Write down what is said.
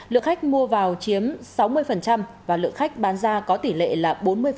lượng khách mua vào chiếm sáu mươi và lượng khách bán ra có tỷ lệ là bốn mươi